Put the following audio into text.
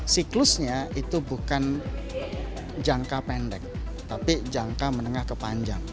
siklusnya itu bukan jangka pendek tapi jangka menengah kepanjang